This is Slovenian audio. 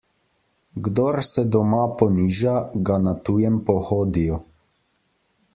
Kdor se doma poniža, ga na tujem pohodijo.